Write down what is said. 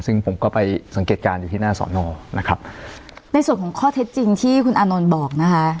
ซึ่งผมก็ไปสังเกตการณ์อยู่ที่หน้าสอนอนะครับในส่วนของข้อเท็จจริงที่คุณอานนท์บอกนะคะ